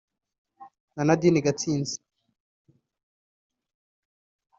na Nadine Gatsinzi